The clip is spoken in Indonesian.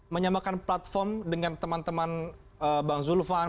menyamakan platform dengan teman teman bang zulfan